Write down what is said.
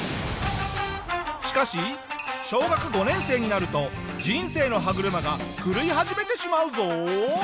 しかし小学５年生になると人生の歯車が狂い始めてしまうぞ。